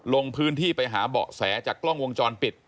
ลงพื้นที่ไปหาเบาะแสจากกล้องวงจรปิด